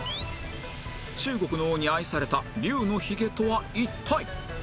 中国の王に愛された龍のひげとは一体？